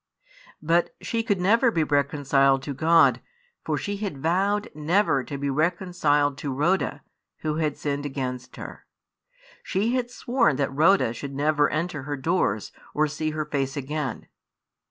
But she could never be reconciled to God, for she had vowed never to be reconciled to Rhoda, who had sinned against her. She had sworn that Rhoda should never enter her doors or see her face again.